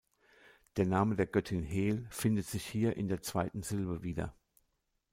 Der Name der Göttin Heel findet sich hier in der zweiten Silbe wieder.